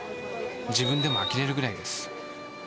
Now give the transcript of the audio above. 自分でもあきれるぐらいです